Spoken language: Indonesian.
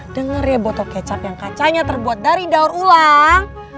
dengar ya botol kecap yang kacanya terbuat dari daur ulang